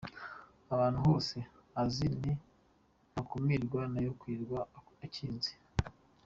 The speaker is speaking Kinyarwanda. , ahantu hose isazi ni ntakumirwa niyo wakwirirwa ukinze.